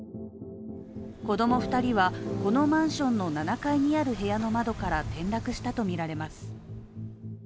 子供２人はこのマンションの７階にある部屋の窓から転落したとみられます。